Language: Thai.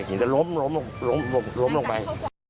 เห็นจะล้มลงไป